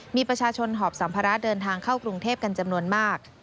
มีประชาชนหอบสัมภาระเดินทางเข้ากรุงเทพกันจำนวนมาก